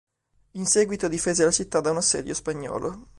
In seguito difese la città da un assedio spagnolo.